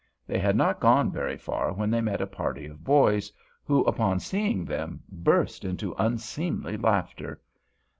They had not gone very far when they met a party of boys, who, upon seeing them, burst into unseemly laughter.